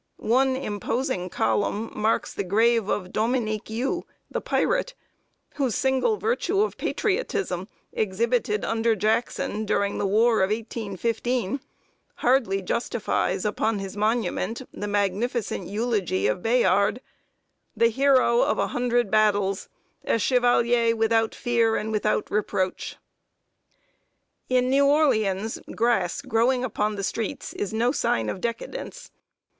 One imposing column marks the grave of Dominique You, the pirate, whose single virtue of patriotism, exhibited under Jackson during the war of 1815, hardly justifies, upon his monument, the magnificent eulogy of Bayard: "The hero of a hundred battles, a chevalier without fear and without reproach." In New Orleans, grass growing upon the streets is no sign of decadence.